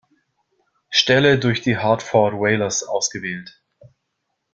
Stelle durch die Hartford Whalers ausgewählt.